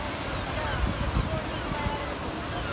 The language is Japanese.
じゃあご希望に応えられると思います。